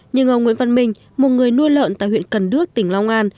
nhưng ông nguyễn văn minh một người nuôi lợn tại huyện cần đước tỉnh long an